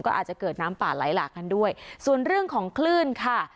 ก็อาจจะเกิดน้ำป่าไหลหลากกันด้วยส่วนเรื่องของคลื่นค่ะ